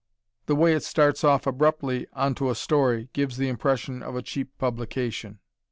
The way it starts off abruptly onto a story gives the impression of a cheap publication.